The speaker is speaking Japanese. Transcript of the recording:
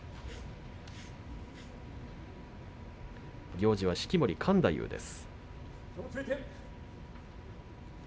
行司は式守勘太夫です。